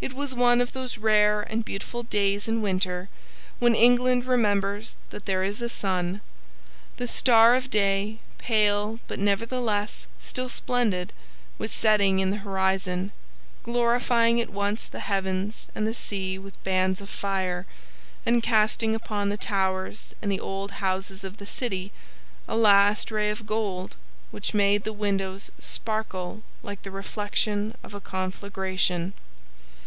It was one of those rare and beautiful days in winter when England remembers that there is a sun. The star of day, pale but nevertheless still splendid, was setting in the horizon, glorifying at once the heavens and the sea with bands of fire, and casting upon the towers and the old houses of the city a last ray of gold which made the windows sparkle like the reflection of a conflagration.